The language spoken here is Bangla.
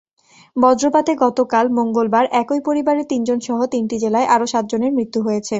বজ্রপাতে গতকাল মঙ্গলবার একই পরিবারের তিনজনসহ তিনটি জেলায় আরও সাতজনের মৃত্যু হয়েছে।